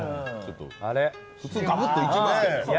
普通ガブッといきますけど。